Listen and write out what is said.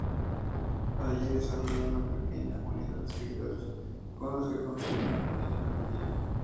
Allí desarrolló una pequeña comunidad de seguidores, con los que construyó una pequeña capilla.